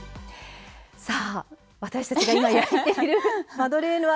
私たちが、今、焼いているマドレーヌは。